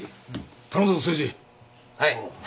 はい。